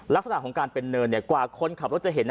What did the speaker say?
ลักษณะของการเป็นเนินกว่าคนขับรถจะเห็น